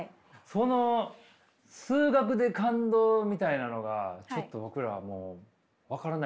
その数学で感動みたいなのがちょっと僕らはもう分からないんですけど。